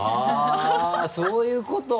あぁそういうこと。